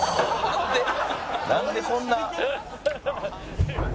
「なんでこんな」